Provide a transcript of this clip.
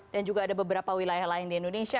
dan juga ada beberapa wilayah lain di indonesia